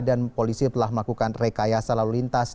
dan polisi telah melakukan rekayasa lalu lintas